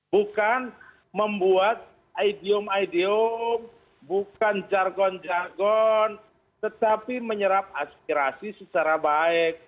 bukan membuat idiom idiom bukan jargon jargon tetapi menyerap aspirasi secara baik